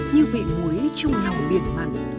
như vị muối chung lòng biển mặn